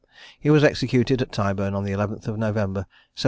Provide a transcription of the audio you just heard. He was executed at Tyburn on the 11th of November, 1723.